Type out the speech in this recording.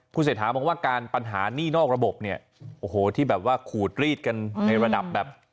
คุณเสถามักว่าการปัญหานี่นอกระบบโอ้โหที่แบบว่าขูดรีดกันในระดับแบบ